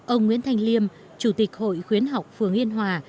ông nguyễn thanh liêm chủ tịch hội khuyến học phường yên hòa